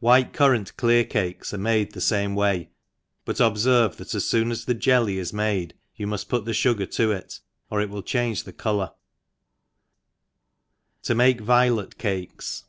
White cu<rrant clear cakes are oiade the faiiie viray, but obfervc, that as foon as the jelly 11 xnade, you muik put the fvigar to it» or it wiU change the colour, 7i «aw&. Violet Cakes.